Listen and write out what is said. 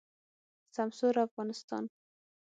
سمسور افغانستان